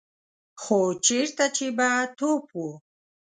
خو چېرته چې به توپ و.